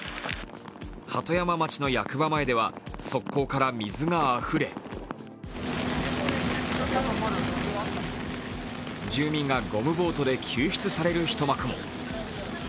鳩山町の役場前では側溝から水があふれ、住民がゴムボートで救出される一幕も。